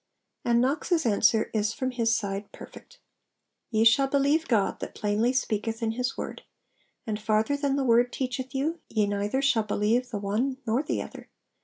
And Knox's answer is from his side perfect 'Ye shall believe God, that plainly speaketh in His word; and farther than the word teacheth you, ye neither shall believe the one nor the other.